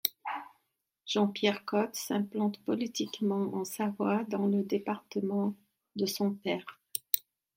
Jean-Pierre Cot s'implante politiquement en Savoie dans le département de son père.